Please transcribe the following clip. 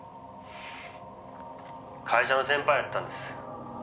「会社の先輩やったんです」